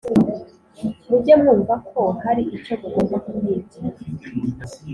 muge mwumva ko hari icyo mugomba kuhigira